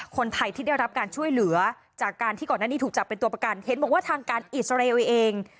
คนไทยที่ได้รับการช่วยเหลือจากการที่ก่อนหน้านี้ถูกจับเป็นตัวประกันเห็นบอกว่าทางการอิสราเอลเอง